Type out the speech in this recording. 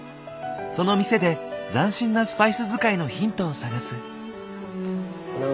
その店で斬新なスパイス使いのヒントを探す。